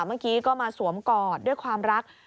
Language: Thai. เมื่อกี้ก็มาสวมกอดด้วยความรัก